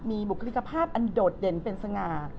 มีบุคลิกภาพอันโดดเด่นเป็นสง่า